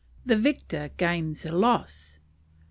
The Victor gains a Loss.